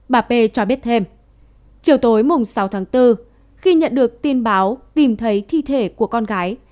bà p cho biết thêm chiều tối mùng sáu tháng bốn khi nhận được tin báo tìm thấy thi thể của con gái